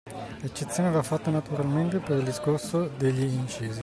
Eccezione va fatta naturalmente per il discorso degli incisi.